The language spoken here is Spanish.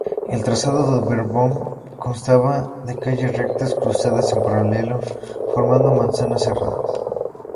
El "trazado de Verboom" constaba de calles rectas cruzadas en paralelo formando manzanas cerradas.